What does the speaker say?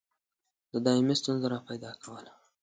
دایمي ستونزه را پیدا کوله.